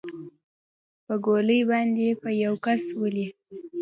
په ګولۍ باندې به يو كس ولې.